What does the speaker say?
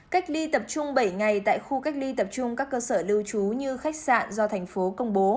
cách ly tập trung bảy ngày tại khu cách ly tập trung các cơ sở lưu trú như khách sạn do thành phố công bố